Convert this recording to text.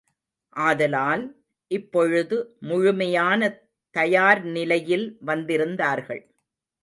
ஆதலால், இப்பொழுது முழுமையான தயார் நிலையில் வந்திருந்தார்கள்.